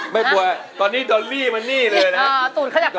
ไม่กลัวตอนนี้ดอลลี่มันนี่เลยนะ